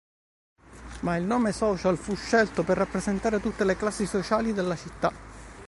Ma il nome Social fu scelto per rappresentare tutte le classi sociali della città.